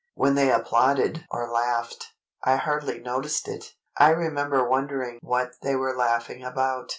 When they applauded or laughed, I hardly noticed it. I remember wondering what they were laughing about.